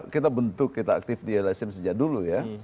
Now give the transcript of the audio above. kita bentuk kita aktif di lsm sejak dulu ya